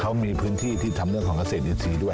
เขามีพื้นที่ที่ทำเรื่องของเกษตรอินทรีย์ด้วย